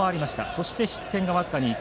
そして失点は僅かに１。